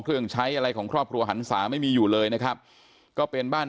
เครื่องใช้อะไรของครอบครัวหันศาไม่มีอยู่เลยนะครับก็เป็นบ้าน